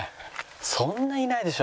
そんないないでしょ。